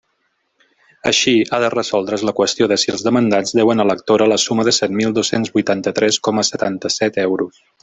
Així, ha de resoldre's la qüestió de si els demandats deuen a l'actora la suma de set mil dos-cents huitanta-tres coma setanta-set euros.